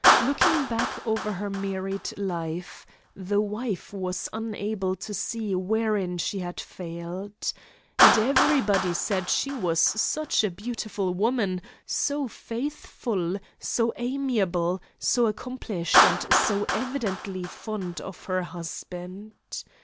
Looking back over her married life, the wife was unable to see wherein she had failed. And everybody said she was such a beautiful woman; so faithful; so amiable; so accomplished, and so evidently fond of her husband.